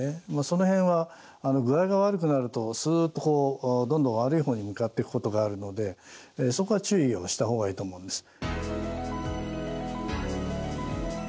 その辺は具合が悪くなるとすっとどんどん悪い方に向かっていくことがあるのでそこは注意をした方がいいと思うんです。